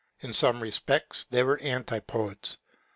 In some respects they were antipodes.